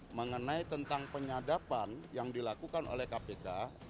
mengenai tentang penyadapan yang dilakukan oleh kpk